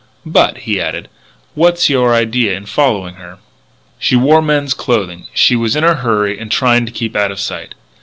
"But," he added, "what's your idea in following her?" "She wore men's clothes; she was in a hurry and trying to keep out of sight.